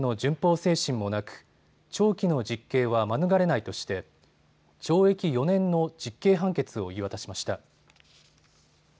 精神もなく、長期の実刑は免れないとして懲役４年の実刑判決を言い渡しました。